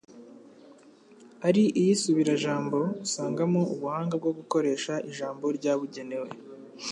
ari iy'isubirajambo; usangamo ubuhanga bwo gukoresha ijambo ryabugenewe;